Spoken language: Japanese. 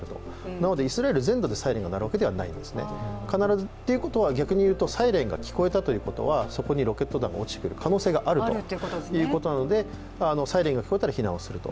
なのでイスラエル全土でサイレンが鳴るわけではないんですね。ということは逆に言うと、サイレンが聞こえたということはそこにロケット弾が落ちてくる可能性があるということなのでサイレンが聞こえたら避難をすると。